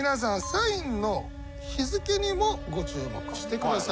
サインの日付にもご注目してください。